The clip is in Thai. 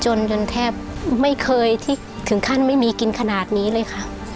จนจนแทบไม่เคยที่ถึงขั้นไม่มีกินขนาดนี้เลยค่ะ